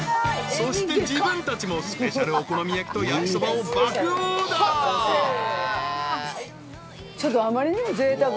［そして自分たちもスペシャルお好み焼きと焼きそばを爆オーダー］